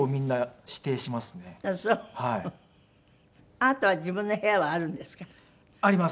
あなたは自分の部屋はあるんですか？